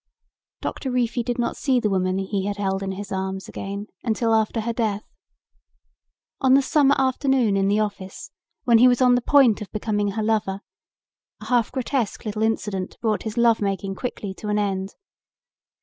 Doctor Reefy did not see the woman he had held in his arms again until after her death. On the summer afternoon in the office when he was on the point of becoming her lover a half grotesque little incident brought his love making quickly to an end.